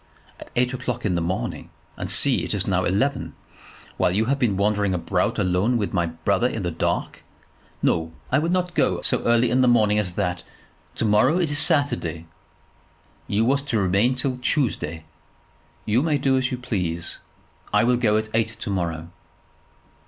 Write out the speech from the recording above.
"At eight o'clock in the morning, and see, it is now eleven; while you have been wandering about alone with my brother in the dark! No; I will not go so early morning as that. To morrow is Saturday you was to remain till Tuesday." "You may do as you please. I shall go at eight to morrow."